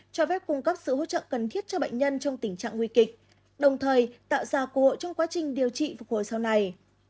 cho phép cung cấp sự hỗ trợ cần thiết cho bệnh nhân trong tình trạng nguy kịch đồng thời tạo ra cơ hội trong quá trình điều trị phục hồi sau này